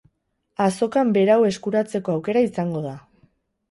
Azokan berau eskuratzeko aukera izango da.